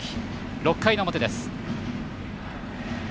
６回の表です。